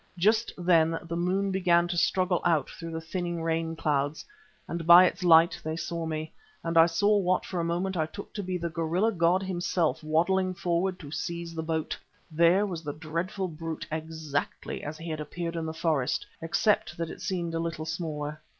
Just then the moon began to struggle out through the thinning rain clouds, and by its light they saw me, and I saw what for a moment I took to be the gorilla god himself waddling forward to seize the boat. There was the dreadful brute exactly as he had appeared in the forest, except that it seemed a little smaller.